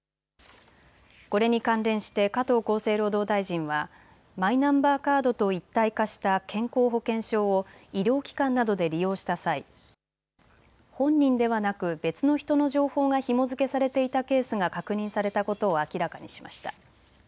これに関連して加藤厚生労働大臣はマイナンバーカードと一体化した健康保険証を医療機関などで利用した際、本人ではなく別の人の情報がひも付けされていたケースが確認されたことを明らかにしました。